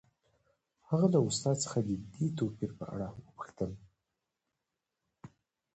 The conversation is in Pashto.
هغه له استاد څخه د دې توپیر په اړه وپوښتل